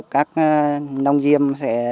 các nông diêm